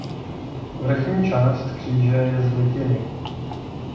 Vrchní část kříže je z litiny.